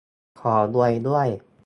ขอรวยด้วย